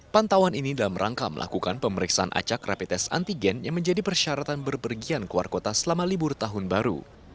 pantauan ini dalam rangka melakukan pemeriksaan acak rapid test antigen yang menjadi persyaratan berpergian keluar kota selama libur tahun baru